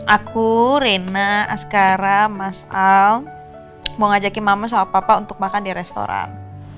aku rina askara mas al mau ngajakin mama sama papa untuk makan di restoran